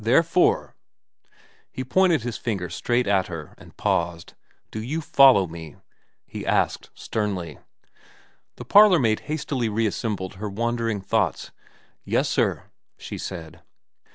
Therefore ' He pointed his finger straight at her and paused. ' Do you follow me ?' he asked sternly. 234 VERA xn The parlourmaid hastily reassembled her wandering thoughts. Yes sir,' she said.